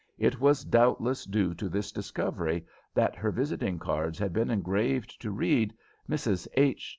It was doubtless due to this discovery that her visiting cards had been engraved to read "Mrs. H.